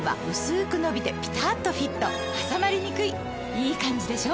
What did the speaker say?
いいカンジでしょ？